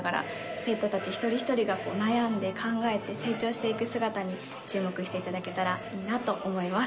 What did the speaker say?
生徒たち一人一人が悩んで考えて、成長していく姿に注目していただけたらいいなと思います。